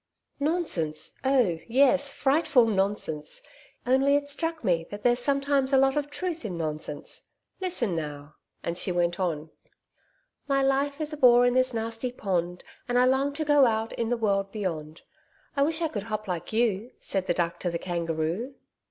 'Nonsense oh yes, frightful nonsense. Only it struck me that there's sometimes a lot of truth in nonsense. Listen now,' and she went on: '"My life is a bore in this nasty pond, And I long to go out in the world beyond. I wish I could hop like you!" Said the Duck to the Kangaroo.'